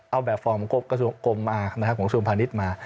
เอาแบบฟอร์มของกรมกระทรวงกลมมาของกระทรวงพาณิชย์มา